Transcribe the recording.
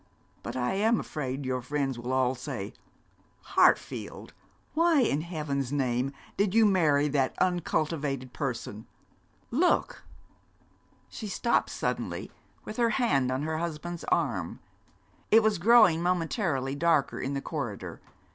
But I am afraid your friends will all say, "Hartfield, why in heaven's name did you marry that uncultivated person?" Look!' She stopped suddenly, with her hand on her husband's arm. It was growing momentarily darker in the corridor.